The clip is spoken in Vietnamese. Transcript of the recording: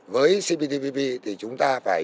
với cptpp thì chúng ta phải